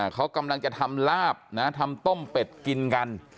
เขากำลังจะทำลาบนะทำต้มเป็ดกินกัน